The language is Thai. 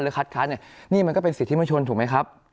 คัดค้านเนี่ยนี่มันก็เป็นสิทธิมชนถูกไหมครับ